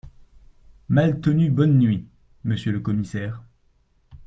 Maltenu Bonne nuit, Monsieur le commissaire…